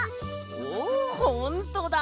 おほんとだ！